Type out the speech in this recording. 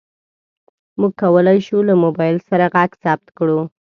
موږ کولی شو له موبایل سره غږ ثبت کړو.